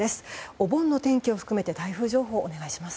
お盆の天気を含めて台風情報をお願いします。